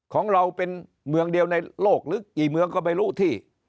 ของเราเป็นเมืองเดียวในโลกหรือกี่เมืองก็ไม่รู้ที่